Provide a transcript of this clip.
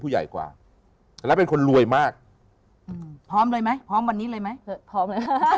ผู้ใหญ่กว่าแล้วเป็นคนรวยมากพร้อมเลยไหมพร้อมวันนี้เลยไหมพร้อม